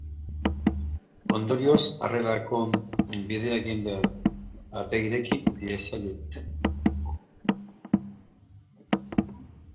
Ondorioz, harrerarako bidea egin behar du, atea ireki diezaioten.